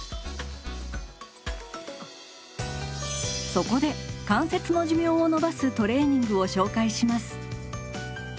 そこで関節の寿命を延ばすトレーニングを紹介します。